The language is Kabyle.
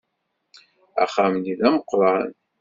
Axxam-nni d ameqqran.